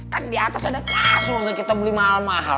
kan di atas ada kasur udah kita beli mahal mahal